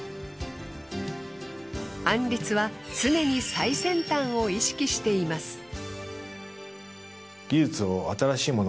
アンリツは常に最先端を意識しています。